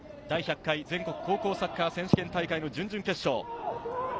第１００回全国高校サッカー選手権大会の準々決勝。